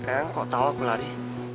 ayang kok tau aku lari